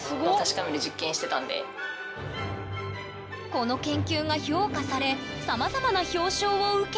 この研究が評価されさまざまな表彰を受けた。